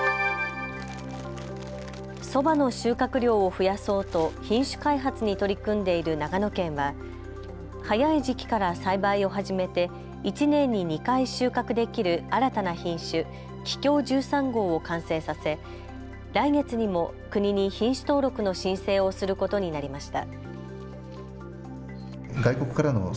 そばの収穫量を増やそうと品種開発に取り組んでいる長野県は早い時期から栽培を始めて１年に２回収穫できる新たな品種、桔梗１３号を完成させ来月にも国に品種登録の申請をすることになりました。